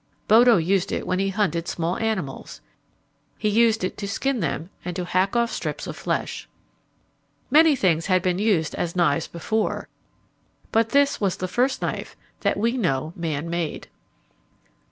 Bodo used it when he hunted small animals. He used it to skin them and to hack off strips of flesh. Many things had been used as knives before, but this was the first knife that we know man made.